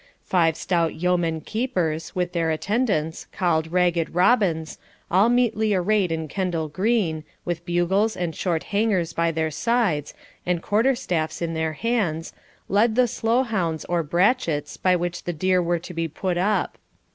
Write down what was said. Five stout yeomen keepers, with their attendants, called Ragged Robins, all meetly arrayed in Kendal green, with bugles and short hangers by their sides, and quarter staffs in their hands, led the slow hounds or brachets by which the deer were to be put up.